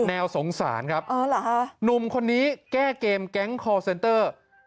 แนวสงสารครับหนุ่มคนนี้แก้เกมแก๊งคอร์เซนเตอร์